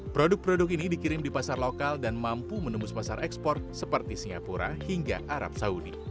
produk produk ini dikirim di pasar lokal dan mampu menembus pasar ekspor seperti singapura hingga arab saudi